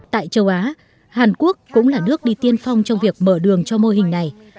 tại châu á hàn quốc cũng là nước đi tiên phong trong việc mở đường cho mô hình này